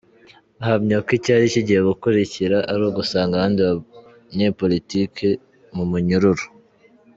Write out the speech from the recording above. Ahamya ko icyari kigiye gukurikira ari ugusanga abandi banyepolitike mu munyururu.